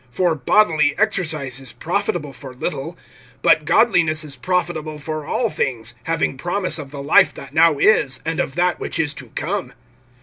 (8)For bodily exercise is profitable for little; but godliness is profitable for all things, having promise of the life that now is, and of that which is to come.